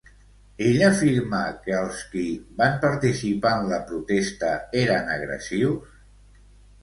Ell afirma que els qui van participar en la protesta eren agressius?